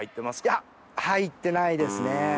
いや入ってないですね。